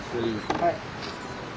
はい。